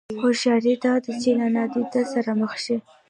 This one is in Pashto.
هوښياري دا ده چې له نادانه سره مخ شي.